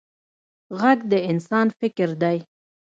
غږ د انسان فکر دی